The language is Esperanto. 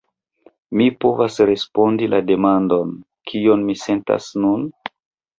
Mi povas respondi la demandon: kion mi sentas nun?